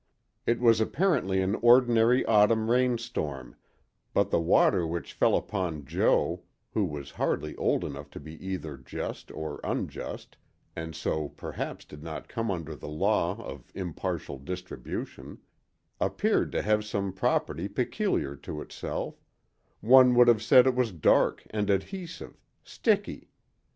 It was apparently an ordinary autumn rainstorm, but the water which fell upon Jo (who was hardly old enough to be either just or unjust, and so perhaps did not come under the law of impartial distribution) appeared to have some property peculiar to itself: one would have said it was dark and adhesive—sticky.